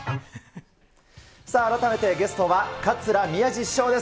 さあ、改めてゲストは、桂宮治師匠です。